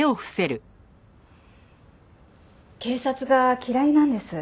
警察が嫌いなんです